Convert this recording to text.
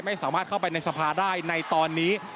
ไม่สามารถเข้าไปในสภาได้ในตอนนี้